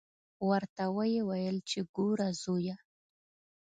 ورته ویې ویل چې ګوره زویه.